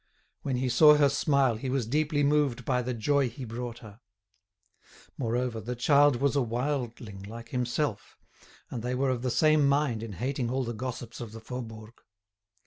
When he saw her smile he was deeply moved by the joy he brought her. Moreover, the child was a wildling, like himself, and they were of the same mind in hating all the gossips of the Faubourg.